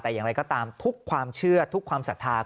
แต่อย่างไรก็ตามทุกความเชื่อทุกความศรัทธา